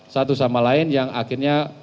satu sama lain yang akhirnya